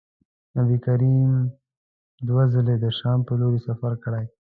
نبي کریم دوه ځلي د شام پر لوري سفر کړی.